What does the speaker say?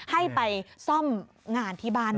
ให้ไปซ่อมงานที่บ้าน